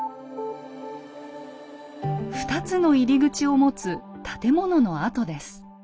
２つの入り口を持つ建物の跡です。